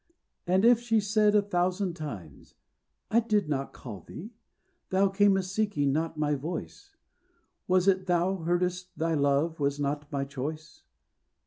And if she said a thousand times, "I did Not call thee, thou cam'st seeking; not my voice Was it thou heard'st; thy love was not my choice!"